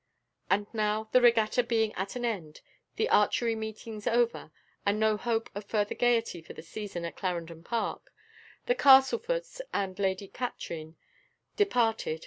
And now, the regatta being at an end, the archery meetings over, and no hope of further gaiety for this season at Clarendon Park, the Castleforts and Lady Katrine departed.